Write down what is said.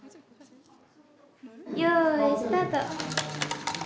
よいスタート！